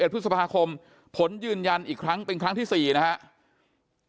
๑พฤษภาคมผลยืนยันอีกครั้งเป็นครั้งที่๔นะครับ